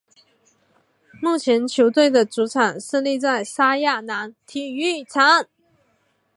目前球队的主场设立在莎亚南体育场。